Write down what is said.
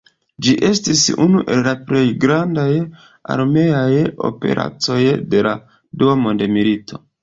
Ĝi estis unu el la plej grandaj armeaj operacoj de la Dua mondmilito.